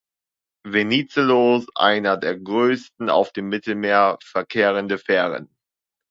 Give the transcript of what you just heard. Venizelos", eine der größten auf dem Mittelmeer verkehrende Fähren.